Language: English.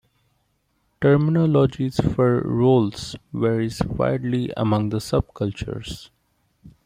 Terminology for roles varies widely among the subcultures.